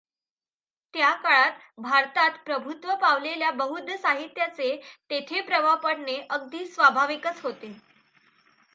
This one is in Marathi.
त्या काळात भारतात प्रभुत्व पावलेल्या बौद्ध साहित्याचा तेथे प्रभाव पडणे अगदी स्वाभाविकच होते.